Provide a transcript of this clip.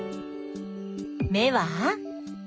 目は？